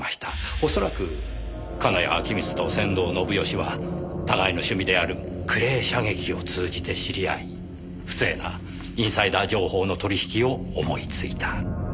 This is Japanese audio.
おそらく金谷陽充と仙道信義は互いの趣味であるクレー射撃を通じて知り合い不正なインサイダー情報の取引を思いついた。